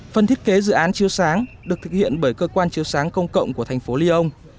phần thiết kế dự án chiếu sáng được thực hiện bởi cơ quan chiếu sáng công cộng của thành phố lyon